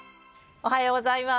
おはようございます。